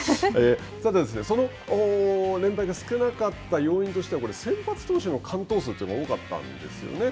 さて、その連敗が少なかった要因としては、先発投手の完投数というのが多かったんですよね。